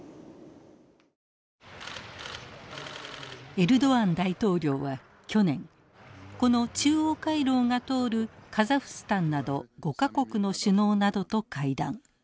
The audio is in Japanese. エルドアン大統領は去年この中央回廊が通るカザフスタンなど５か国の首脳などと会談。